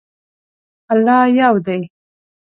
الله یو دی